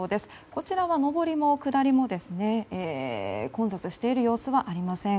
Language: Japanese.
こちらは上りも下りも混雑している様子はありません。